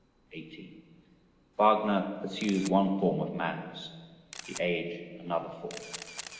18. Wagner pursues one form of madness, the age another form.